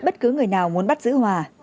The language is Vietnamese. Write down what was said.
bất cứ người nào muốn bắt giữ hòa